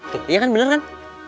iya kan bener kan